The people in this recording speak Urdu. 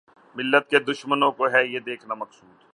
ملت کے دشمنوں کو ھے یہ دیکھنا مقصود